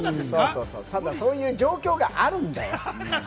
ただ、そういう状況があるんだよ。